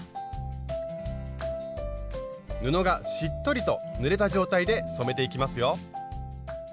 布がしっとりとぬれた状態で染めていきますよ。